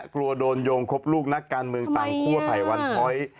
กลัวโดนโยงครบลูกนักการเมืองต่างคั่วไผ่วันพ้อย